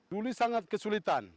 dulu sangat kesulitan